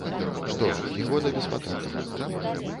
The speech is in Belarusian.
Што ж, ні года без патэнтаў.